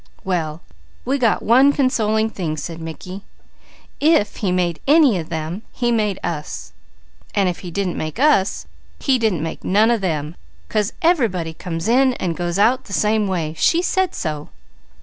"Well we got one consoling thing," said Mickey. "If He made any of them, He made us, and if He didn't make us, He didn't none of them, 'cause everybody comes in and goes out the same way; She said so."